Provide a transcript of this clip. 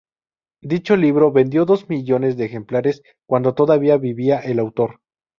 Dicho libro vendió dos millones de ejemplares cuando todavía vivía el autor.